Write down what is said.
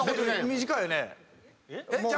短いよね！